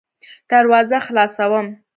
دروازه خلاصوم .